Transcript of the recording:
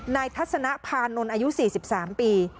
นายทัศนะพานนท์อายุ๔๓ปี